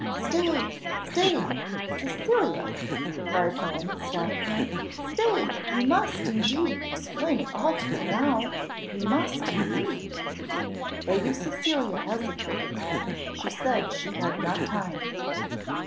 "Stay, stay! Cecilia," cried Helen, stopping her; "stay! you must, indeed, explain it all to me now you must indeed!" Lady Cecilia hesitated said she had not time.